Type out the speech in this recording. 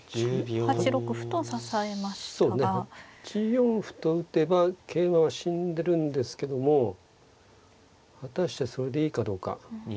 ８四歩と打てば桂馬は死んでるんですけども果たしてそれでいいかどうか。